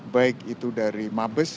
baik itu dari mabes